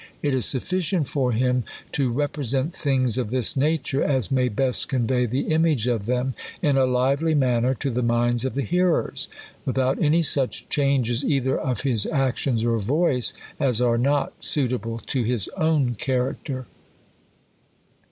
It is sufficient for him to represent things of this nature, as may best convey the image of them in a lively manner to the minds of the hearers ; without any such changes either of his actions or voice as are not suitable to nis own character.